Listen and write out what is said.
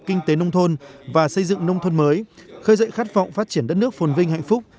kinh tế nông thôn và xây dựng nông thôn mới khơi dậy khát vọng phát triển đất nước phồn vinh hạnh phúc